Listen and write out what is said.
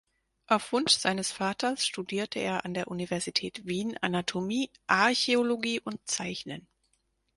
Auf Wunsch seines Vaters studierte er an der Universität Wien Anatomie, Archäologie und Zeichnen.